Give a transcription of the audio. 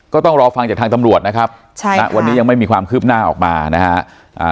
ก็ต้องรอฟังจากทางตำรวจนะครับใช่ณวันนี้ยังไม่มีความคืบหน้าออกมานะฮะ